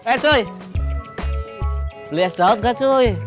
eh cuy beli es dawat gak cuy